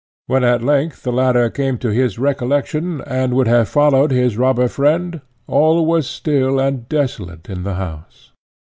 When at length the latter came to his recollection, and would have followed his robber friend, all was still and desolate in the house.